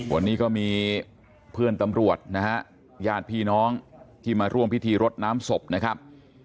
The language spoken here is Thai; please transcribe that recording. วันนี้ก็มีเพื่อนตำรวจนะฮะญาติพี่น้องที่มาร่วมพิธีรดน้ำศพนะครับ